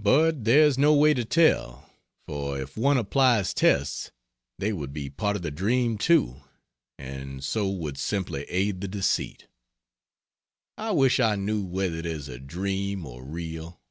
But there is no way to tell, for if one applies tests they would be part of the dream, too, and so would simply aid the deceit. I wish I knew whether it is a dream or real."